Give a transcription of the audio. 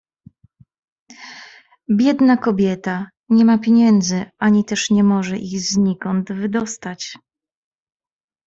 "Biedna kobieta nie ma pieniędzy, ani też nie może ich znikąd wydostać."